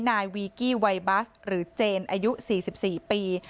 นายวีกี้ไวบัสหรือเจนอายุ๔๔ปี